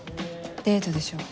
デートでしょう。